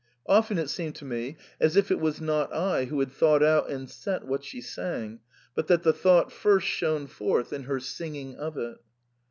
Often it seemed to me as if it was not I who had thought out and set what she sang, but that the thought first shone forth in her singing of it.